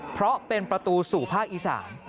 เพราะเป็นประตูสู่ภาคอีสาน